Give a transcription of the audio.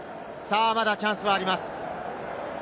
まだチャンスはあります。